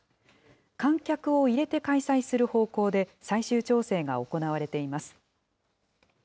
観客を入れて開催する方向で最終調整が行われています。